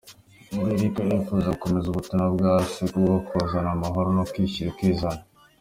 Ngo Eric arifuza gukomeza ubutumwa bwa se bwo kuzana amahoro no kwishyira ukizana.